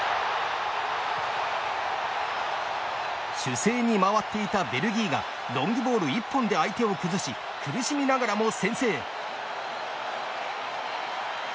守勢に回っていたベルギーがロングボール１本で相手を崩し苦しみながらも先制。